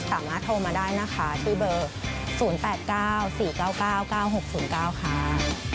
สามารถโทรมาได้นะคะที่เบอร์๐๘๙๔๙๙๙๖๐๙ค่ะ